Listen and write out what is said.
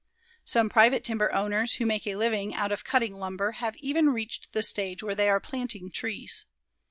Some private timber owners who make a living out of cutting lumber, have even reached the stage where they are planting trees.